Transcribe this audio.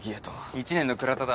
１年の倉田だ。